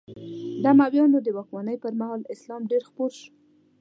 د امویانو د واکمنۍ پر مهال اسلام ډېر خپور شو.